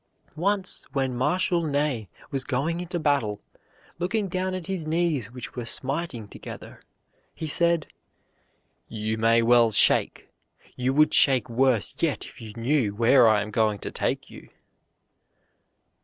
Once when Marshal Ney was going into battle, looking down at his knees which were smiting together, he said, "You may well shake; you would shake worse yet if you knew where I am going to take you."